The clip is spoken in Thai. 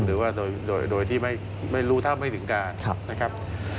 หรือว่าโดยที่ไม่รู้เท่าไม่ถึงการนะครับ